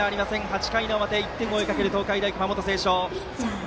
８回の表１点を追いかける東海大熊本星翔。